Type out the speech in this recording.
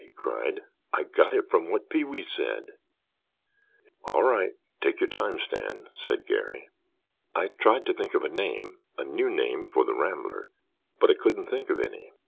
he cried. "I got it from what Pee wee said——" "All right, take your time, Stan," said Garry. "I tried to think of a name—a new name—for the Rambler but I couldn't think of any.